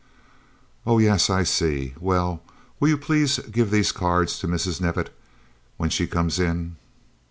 "Oh yes, I see. Well, will you please give these cards to Mrs. Knevitt when she comes in?"